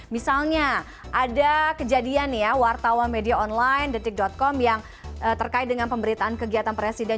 misalnya ada kejadian ya wartawan media online detik com yang terkait dengan pemberitaan kegiatan presiden